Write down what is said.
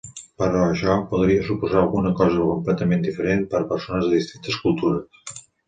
Però això podria suposar alguna cosa completament diferent per a persones de distintes cultures.